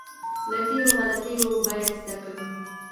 له تېرو غلطیو باید زده کړو.